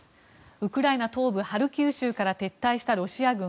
ウクライナ東部ハルキウ州から撤退したロシア軍。